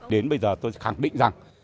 đến bây giờ tôi khẳng định rằng